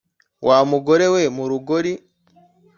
wa mugore we mu rugori